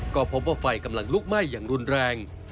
ก็พบว่าไฟกำลังลุกไหม้อย่างรุนแรง